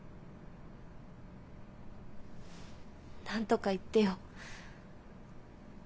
何とか言ってよ。